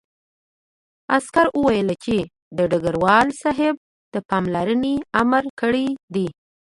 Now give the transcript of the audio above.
عسکر وویل چې ډګروال صاحب د پاملرنې امر کړی دی